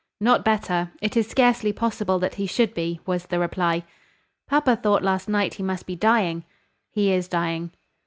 "Not better: it is scarcely possible that he should be," was the reply. "Papa thought last night he must be dying." "He is dying."